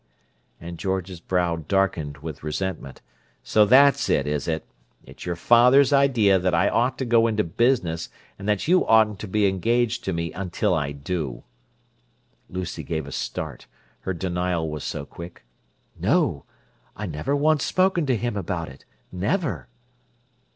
And George's brow darkened with resentment. "So that's it, is it? It's your father's idea that I ought to go into business and that you oughtn't to be engaged to me until I do." Lucy gave a start, her denial was so quick. "No! I've never once spoken to him about it. Never!"